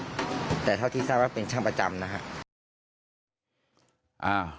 ไม่ทราบเลยครับแต่เท่าที่ทราบว่าเป็นช่างประจำนะครับ